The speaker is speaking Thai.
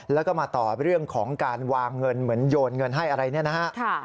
แล้วก็มาต่อเรื่องของการวางเงินเหมือนโยนเงินให้อะไรเนี่ยนะฮะ